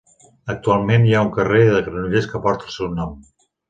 Actualment hi ha un carrer de Granollers que porta el seu nom.